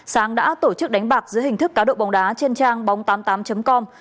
sáng đã tổ chức đánh bạc dưới hình thức cá độ bóng đá trên trang bóng tám mươi tám com